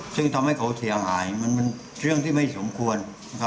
ซึ่งทำให้เขาเสียหายมันเป็นเรื่องที่ไม่สมควร